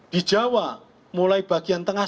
di jawa mulai bagian tengah